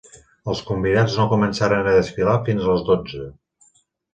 Els convidats no començaren a desfilar fins a les dotze.